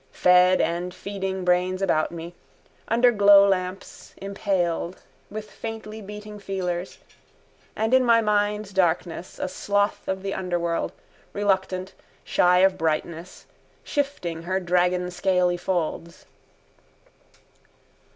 Fed and feeding brains about me: under glowlamps, impaled, with faintly beating feelers: and in my mind's darkness a sloth of the underworld, reluctant, shy of brightness, shifting her dragon scaly folds.